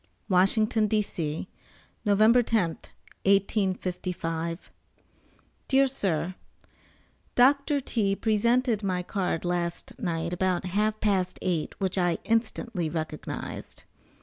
WASHINGTON, D.C., November 10th, 1855. DEAR SIR: Doctor T. presented my card last night about half past eight which I instantly recognized.